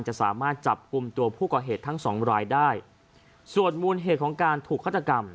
จะสามารถจับกลุ่มตัวผู้ก่อเหตุทั้งสองรายได้ส่วนมูลเหตุของการถูกฆาตกรรม